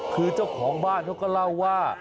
คือเจ้าของบ้านเขาก็เล่าว่า